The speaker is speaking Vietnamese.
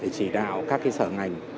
chỉ đạo các sở ngành